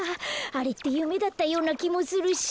あれってゆめだったようなきもするし。